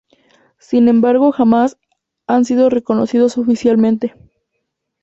Sin embargo jamás han sido reconocidos oficialmente.